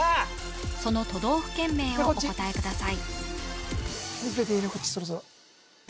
その都道府県名をお答えください